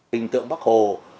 hình tượng bắc hồ